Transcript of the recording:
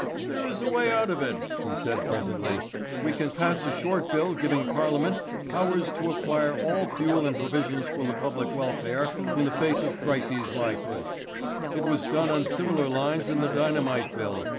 "There is a way out of it," he said presently. "We can pass a short bill giving Parliament powers to acquire all fuel and provisions for the public welfare in the face of crises like these. It was done on similar lines in the Dynamite Bill.